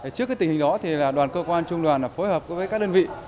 trước tình hình đó đoàn cơ quan trung đoàn đã phối hợp với các đơn vị